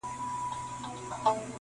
ستا او ورور تر مابین ډېره فاصله ده,